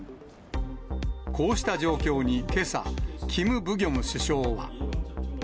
こうした状況にけさ、キム・ブギョム首相は。